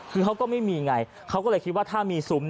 คือเขาก็ไม่มีไงเขาก็เลยคิดว่าถ้ามีซุ้ม